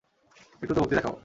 একটু তো ভক্তি দেখাও।